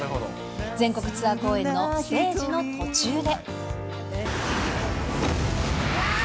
全国ツアー公演のステージの途中で。